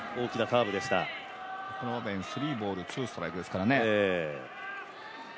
この場面スリーボールツーストライクですからね。